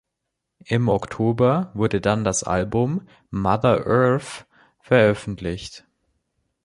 Im Oktober wurde dann das Album „Mother Earth“ veröffentlicht.